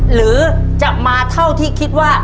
หรือจะมาเท่าที่คิดว่า